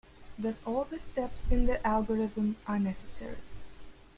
Thus all the steps in the algorithm are necessary.